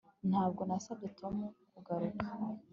Ntabwo nasabye Tom kugaruka